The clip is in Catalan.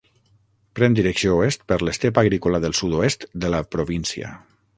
Pren direcció oest per l'estepa agrícola del sud-oest de la província.